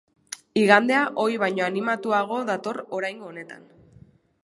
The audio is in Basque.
Igandea ohi baino animatuago dator oraingo honetan.